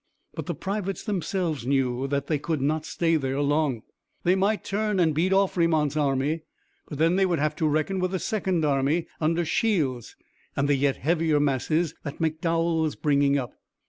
But the privates themselves knew that they could not stay there long. They might turn and beat off Fremont's army, but then they would have to reckon with the second army under Shields and the yet heavier masses that McDowell was bringing up.